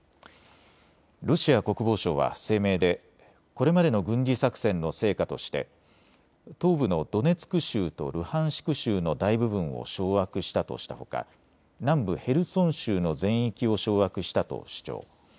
ロシア国防省は声明でこれまでの軍事作戦の成果として東部のドネツク州とルハンシク州の大部分を掌握したとしたほか南部ヘルソン州の全域を掌握したと主張。